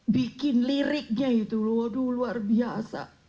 bikin liriknya itu waduh luar biasa